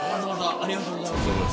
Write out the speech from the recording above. ありがとうございます。